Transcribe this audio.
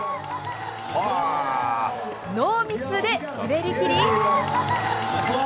ノーミスで滑りきり。